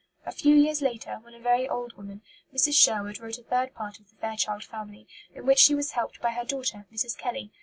A few years later, when a very old woman, Mrs. Sherwood wrote a third part of the Fairchild Family, in which she was helped by her daughter, Mrs. Kelly.